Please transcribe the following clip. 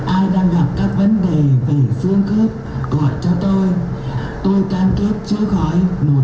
ai đang gặp các vấn đề về phương thức gọi cho tôi tôi can kết chữa gói một trăm linh